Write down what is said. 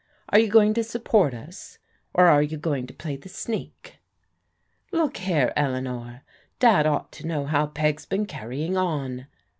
Are you going to support us, or are you going to play the sneak?" " Look here, Eleanor, Dad ought to know how Peg's been carrying on."